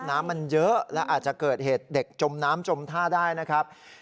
น้ำมันเยอะและอาจจะเกิดเหตุเด็กจมน้ำจมท่าได้นะครับ